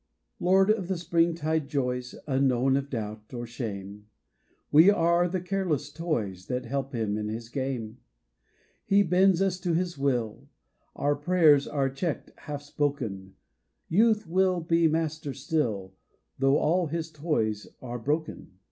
Lord of the spring tide joys Unknown of doubt or shame; We are the careless toys That help him in his game. 114 THE BOY WORLD He bends us to his will, Our prayers are checked half spoken, Youth will be master still Though all his toys are broken.